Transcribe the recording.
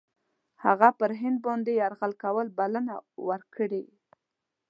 هغه پر هند باندي یرغل کولو بلنه ورکړې.